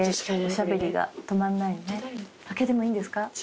開けてもいいんですか？